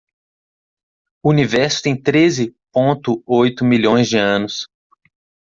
O Universo tem treze ponto oito milhões de anos.